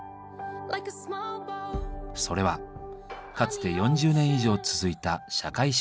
それはかつて４０年以上続いた社会主義体制。